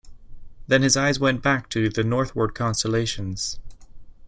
Then his eyes went back to the northward constellations.